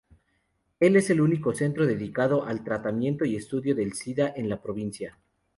Es el único centro dedicado al tratamiento y estudio del sida en la provincia.